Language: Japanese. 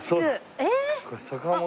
えっ！